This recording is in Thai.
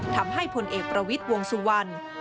ทำให้พลเอกประวิติวงสุวรรณ